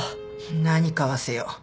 何買わせよう。